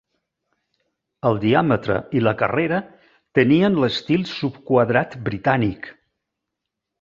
El diàmetre i la carrera tenien l'estil subquadrat britànic.